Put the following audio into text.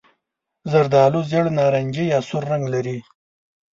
زردالو ژېړ نارنجي یا سور رنګ لري.